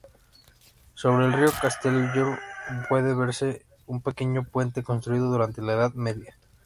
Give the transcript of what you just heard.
Sobre el río Castellbó puede verse un pequeño puente construido durante la Edad Media.